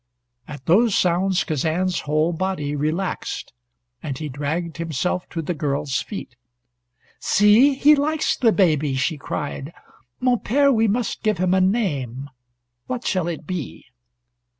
At those sounds Kazan's whole body relaxed, and he dragged himself to the girl's feet. "See, he likes the baby!" she cried. "Mon pere, we must give him a name. What shall it be?"